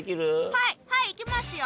はいはい行きますよ。